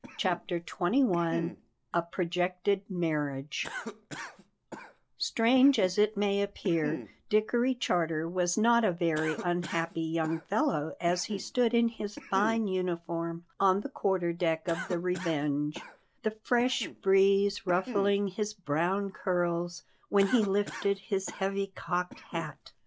CHAPTER XXI A PROJECTED MARRIAGE Strange as it may appear, Dickory Charter was not a very unhappy young fellow as he stood in his fine uniform on the quarter deck of the Revenge, the fresh breeze ruffling his brown curls when he lifted his heavy cocked hat.